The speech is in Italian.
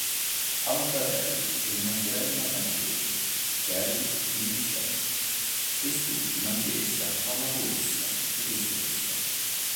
Ha un fratello e una sorella maggiori, Kelly e Michelle, quest'ultima anch'essa pallavolista professionista.